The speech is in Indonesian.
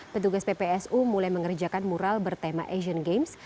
petugas ppsu mulai mengerjakan mural bertema asian games